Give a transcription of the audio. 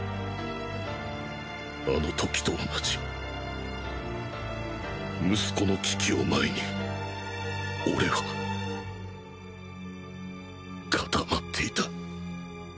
あの時と同じ息子の危機を前に俺は固まっていた。